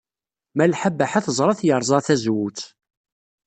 Malḥa Baḥa teẓra-t yerẓa tazewwut.